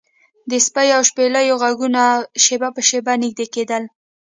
د سپیو او شپېلیو غږونه شیبه په شیبه نږدې کیدل